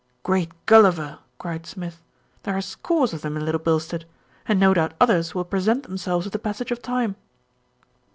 "Great Gulliver!" cried Smith, "there are scores of them in Little Bilstead, and no doubt others will pre sent themselves with the passage of time.